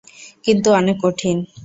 কিন্তু অনেক কঠিন।